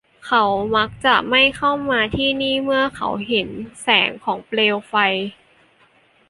เขามักจะไม่เข้ามาที่นี่เมื่อเขาเห็นแสงของเปลวไฟ